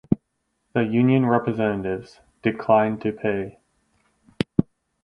The union representatives declined to pay.